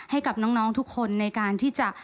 ให้กับน้องทุกคนในการที่จะ